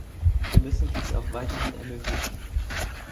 Wir müssen dies auch weiterhin ermöglichen.